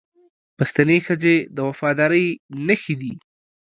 پښتنې ښځې د وفادارۍ نښې دي